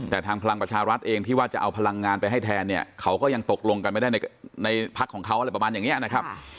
แต่ทางพลังประชารัฐเองที่ว่าจะเอาพลังงานไปให้แทนเนี่ยเขาก็ยังตกลงกันไม่ได้ในพักของเขาอะไรประมาณอย่างนี้นะครับ